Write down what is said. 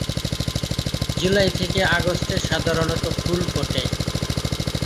জুলাই থেকে আগস্টে সাধারণত ফুল ফুটে।